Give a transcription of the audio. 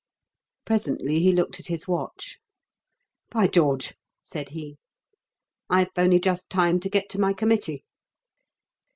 Presently he looked at his watch. "By George," said he, "I've only just time to get to my Committee."